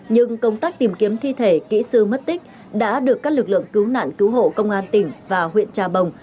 nhưng công tác tìm kiếm thi thể kỹ sư mất tích đã được các lực lượng cứu nạn cứu hộ công an tỉnh và huyện trà bồng